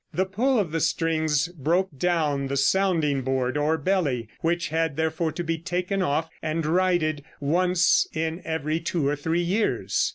The pull of the strings broke down the sounding board or belly, which had therefore to be taken off and righted once in every two or three years.